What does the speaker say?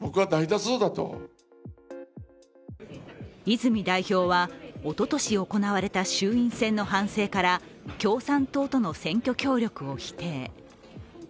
泉代表はおととし行われた衆院選の反省から共産党との選挙協力を否定。